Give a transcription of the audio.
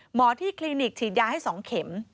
หมอที่คลินิกฉีดยาให้๒เข็ม